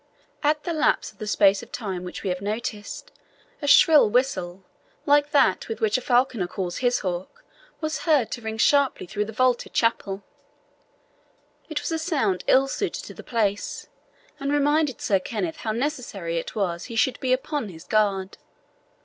At the lapse of the space of time which we have noticed, a shrill whistle, like that with which a falconer calls his hawk, was heard to ring sharply through the vaulted chapel. It was a sound ill suited to the place, and reminded Sir Kenneth how necessary it was he should be upon his guard.